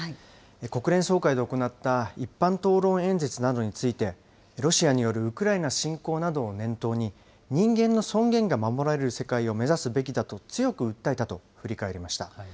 国連総会で行った一般討論演説などについて、ロシアによるウクライナ侵攻などを念頭に、人間の尊厳が守られる世界を目指すべきだと強く訴えたと振り返りました。